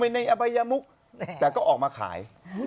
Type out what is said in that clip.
ไปในอรรไยยุมุทรแต่ก็ออกมาขาย